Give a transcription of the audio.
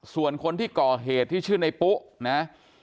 ส่วนคนที่ก่อเหตุที่ชื่อในปุ๊นะ